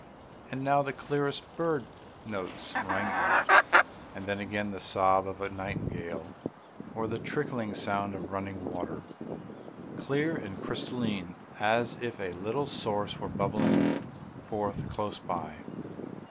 And now the clearest bird notes rang out, and then again the sob of a nightingale or the trickling sound of running water, clear and crystalline, as if a little source were bubbling forth close by.